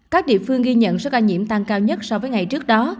các địa phương ghi nhận số ca nhiễm tăng cao nhất so với ngày trước đó